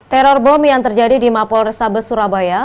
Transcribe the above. terror bom yang terjadi di mapol resabe surabaya